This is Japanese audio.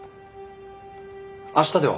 明日では。